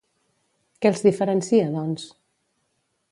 Què els diferencia, doncs?